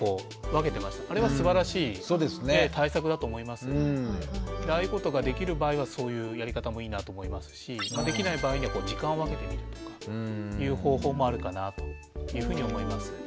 先ほどの例だとああいうことができる場合はそういうやり方もいいなと思いますしできない場合には時間を分けてみるとかっていう方法もあるかなと思います。